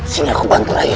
sini aku bantu raye